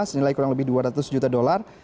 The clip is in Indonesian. senilai kurang lebih dua ratus juta dolar